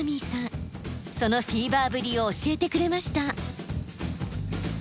そのフィーバーぶりを教えてくれました。